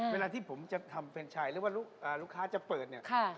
เวลาที่ผมจะทำเฟรนชายหรือว่าลูกค้าจะเปิดเนี่ย